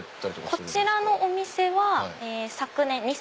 こちらのお店は昨年。